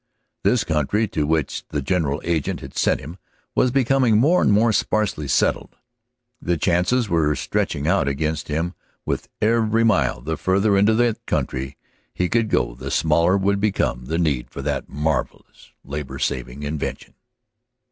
This country to which the general agent had sent him was becoming more and more sparsely settled. The chances were stretching out against him with every mile. The farther into that country he should go the smaller would become the need for that marvelous labor saving invention.